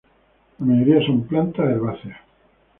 La mayoría son plantas herbáceas.